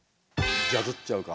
ジャズっちゃうか？